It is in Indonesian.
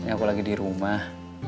aku lagi di rumah